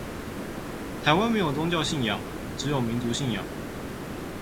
台灣沒有宗教信仰只有民族信仰